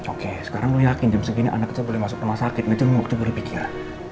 oke sekarang lo yakin jam segini anaknya boleh masuk rumah sakit ngejemuk tuh berpikir